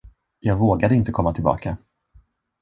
Jag vågade inte komma tillbaka.